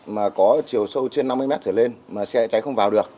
mà có chiều sâu trên năm mươi mét trở lên mà xe cháy không vào được